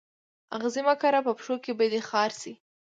آغزي مه کره په پښو کي به دي خار سي